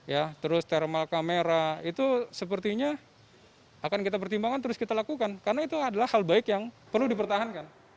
ya terus thermal kamera itu sepertinya akan kita pertimbangkan terus kita lakukan karena itu adalah hal baik yang perlu dipertahankan